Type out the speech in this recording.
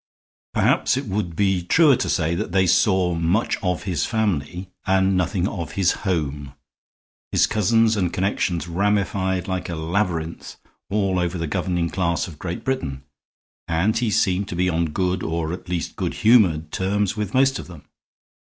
Perhaps it would be truer to say that they saw much of his family and nothing of his home. His cousins and connections ramified like a labyrinth all over the governing class of Great Britain, and he seemed to be on good, or at least on good humored, terms with most of them.